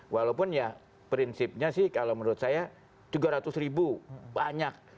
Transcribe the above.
walaupun ya prinsipnya sih kalau menurut saya tiga ratus ribu banyak